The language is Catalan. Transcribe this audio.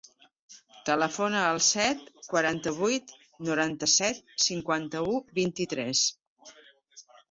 Telefona al set, quaranta-vuit, noranta-set, cinquanta-u, vint-i-tres.